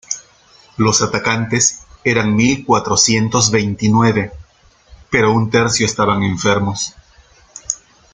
Los atacantes eran mil cuatrocientos veintinueve, pero un tercio estaban enfermos.